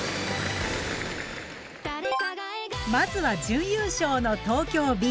まずは準優勝の東京Ｂ。